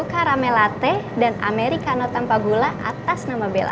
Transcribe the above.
satu karamel latte dan americano tanpa gula atas nama bela